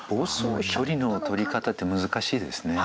距離の取り方って難しいですね。